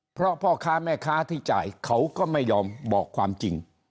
เพราะพ่อค้าแม่ค้าที่จ่ายเขาก็ไม่ยอมบอกความจริง